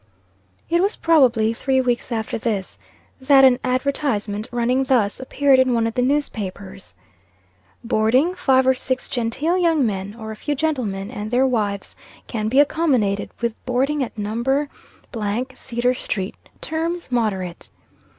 It was, probably, three weeks after this, that an advertisement, running thus, appeared in one of the newspapers: "BOARDING Five or six genteel young men, or a few gentlemen and their wives, can be accommodated with boarding at No. Cedar street. Terms moderate."